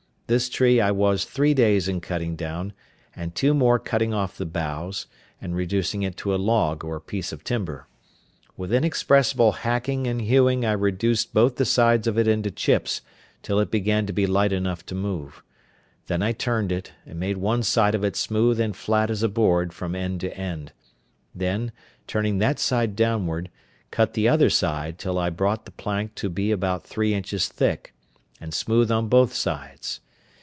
This tree I was three days in cutting down, and two more cutting off the boughs, and reducing it to a log or piece of timber. With inexpressible hacking and hewing I reduced both the sides of it into chips till it began to be light enough to move; then I turned it, and made one side of it smooth and flat as a board from end to end; then, turning that side downward, cut the other side til I brought the plank to be about three inches thick, and smooth on both sides.